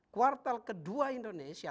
kuartal kedua indonesia